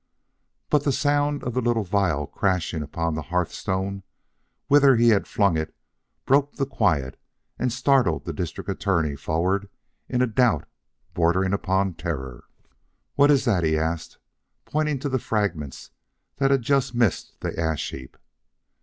But the sound of the little vial crashing upon the hearthstone whither he had flung it broke the quiet and startled the District Attorney forward in a doubt bordering upon terror. "What is that?" he asked, pointing to the fragments that had just missed the ash heap.